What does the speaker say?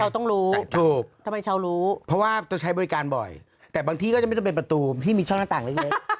ต้องรู้ถูกทำไมชาวรู้เพราะว่าต้องใช้บริการบ่อยแต่บางที่ก็จะไม่ต้องเป็นประตูที่มีช่องหน้าต่างเล็ก